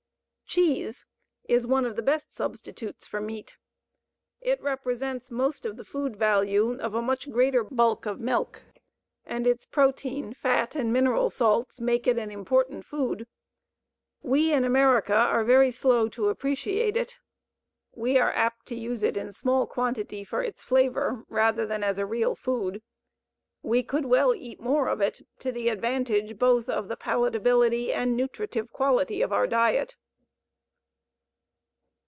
Cheese is one of the best substitutes for meat. It represents most of the food value of a much greater bulk of milk, and its protein, fat, and mineral salts make it an important food. We in America are very slow to appreciate it. We are apt to use it in small quantity for its flavor rather than as a real food. We could well eat more of it, to the advantage both of the palatability and nutritive quality of our diet.